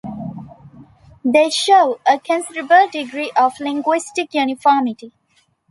They show a considerable degree of linguistic uniformity.